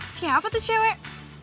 siapa tuh cewek